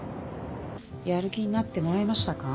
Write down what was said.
やる気になってもらえましたか？